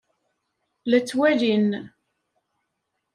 La ttwalin.